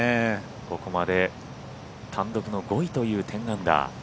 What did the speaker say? ここまで単独の５位という１０アンダー。